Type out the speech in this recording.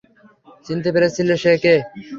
চিনতে পেরেছিলে সে কে?